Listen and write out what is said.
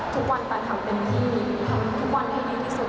ทุกวันตามทำเป็นที่ทำทุกวันดีที่สุด